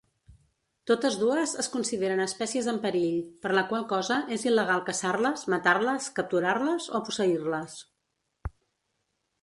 Totes dues es consideren espècies en perill, per la qual cosa és il·legal caçar-les, matar-les, capturar-les o posseir-les.